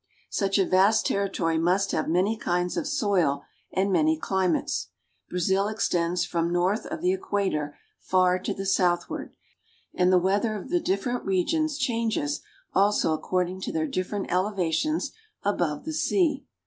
Such a vast territory must have many kinds of soil and many climates. Brazil extends from north of the equator far to the southward, and the weather of the different regions changes also according to their different elevations above the sea.